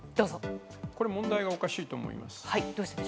これ、問題がおかしいと思います。